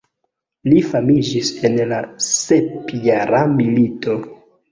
Li famiĝis en la sepjara milito.